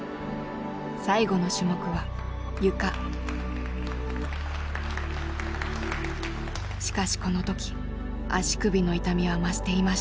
しかしこの時足首の痛みは増していました。